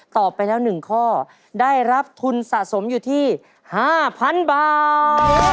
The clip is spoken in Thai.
ตอบไปแล้ว๑ข้อได้รับทุนสะสมอยู่ที่๕๐๐๐บาท